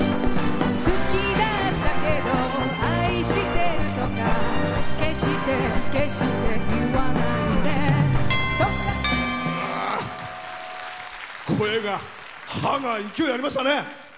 声が「ハッ！」が勢いありましたね。